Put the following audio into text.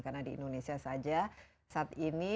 karena di indonesia saja saat ini